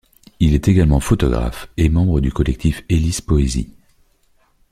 Il est également photographe et membre du collectif Hélices poésie.